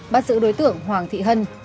bác sĩ đối tượng hoàng thị hân